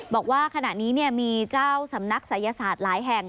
บอกว่าขณะนี้มีเจ้าสำนักศัยศาสตร์หลายแห่ง